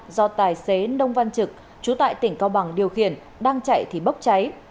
do tài xế nông văn trực chú tại tỉnh cao bằng điều khiển đang chạy thì bốc cháy